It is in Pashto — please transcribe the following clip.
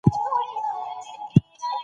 ده د وعدو ماتول اخلاقي کمزوري ګڼله.